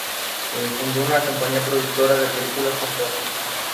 Fundó una compañía productora de películas junto a Julissa.